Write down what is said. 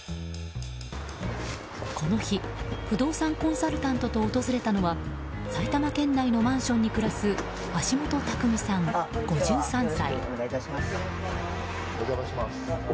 この日、不動産コンサルタントと訪れたのは埼玉県内のマンションに暮らす橋本たくみさん、５３歳。